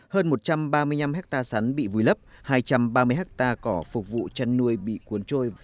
hơn một trăm ba mươi năm hectare sắn bị vùi lấp hai trăm ba mươi hectare cỏ phục vụ chăn nuôi bị cuốn trôi